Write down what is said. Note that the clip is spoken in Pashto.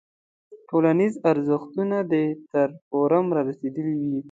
ټولنیز ارزښتونه دې تر فورم رارسېدلی وي.